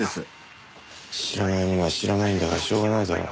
知らないものは知らないんだからしょうがないだろう。